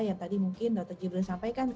yang tadi mungkin dr jible sampaikan